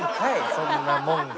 そんなもんが。